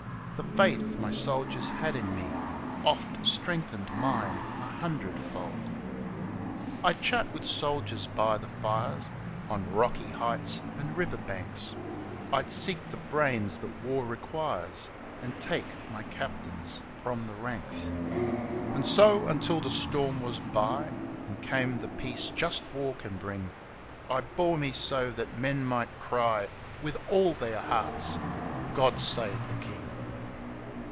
The faith my soldiers had in me Oft strengthened mine a hundredfold. WHBN I WAS KING 7 I'd chat with soldiers hy the fires On rocky heights and river banks, I'd seek the brains that war requires, And take my captains from the ranks. And so, until the storm was by. And came the peace jnst war can bring, I bore me so that men might ciy With aU their hearts, <Ood Save the King.'